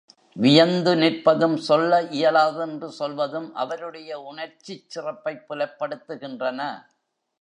வியந்து நிற்பதும், சொல்ல இயலாதென்று சொல்வதும் அவருடைய உணர்ச்சிச் சிறப்பைப் புலப்படுத்துகின்றன.